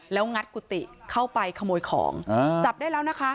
แล้วงัดกุฏิเข้าไปขโมยของจับได้แล้วนะคะ